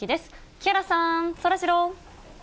木原さん、そらジロー。